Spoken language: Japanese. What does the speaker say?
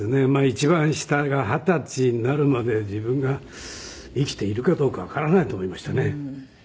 一番下が二十歳になるまで自分が生きているかどうかわからないと思いましたね。